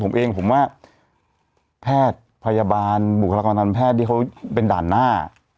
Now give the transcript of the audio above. ผมเองผมว่าแพทย์พยาบาลบุคลากรทางแพทย์ที่เขาเป็นด่านหน้า